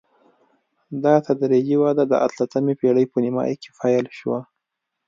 دا تدریجي وده د اتلسمې پېړۍ په نیمايي کې پیل شوه.